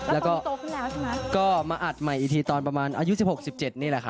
แล้วก็มาอัดใหม่อีทีตอนประมาณอายุ๑๖๑๗นี่แหละครับ